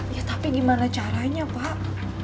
ya tapi gimana caranya pak